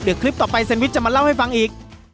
เดี๋ยวคลิปต่อไปแซนวิชจะมาเล่าให้ฟังอีก